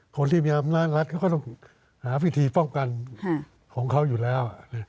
คนที่มีอำนาจรัฐเขาก็ต้องหาวิธีป้องกันของเขาอยู่แล้ว